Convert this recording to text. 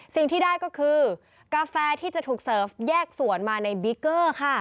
สิ่งที่ได้ก็คือกาแฟที่จะถูกเสิร์ฟแยกส่วนมาในบิ๊กเกอร์ค่ะ